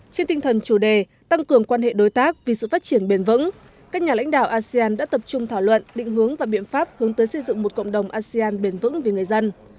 trên tinh thần chủ đề tăng cường quan hệ đối tác vì sự phát triển bền vững các nhà lãnh đạo asean đã tập trung thảo luận định hướng và biện pháp hướng tới xây dựng một cộng đồng asean bền vững vì người dân